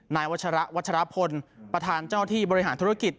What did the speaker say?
นายวัชระวัชรพลประธานเจ้าที่บริหารธุรกิจ